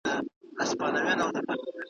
ته را غلی میخانې ته په دا هیله